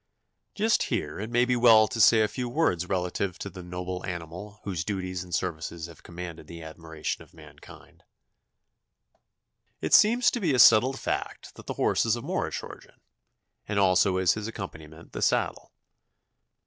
Just here it may be well to say a few words relative to the noble animal whose duties and services have commanded the admiration of mankind. It seems to be a settled fact that the horse is of Moorish origin, as also is his accompaniment, the saddle.